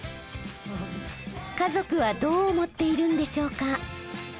家族はどう思っているんでしょうか？